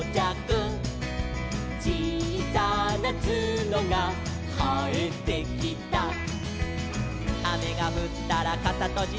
「ちいさなツノがはえてきた」「あめがふったらかさとじて」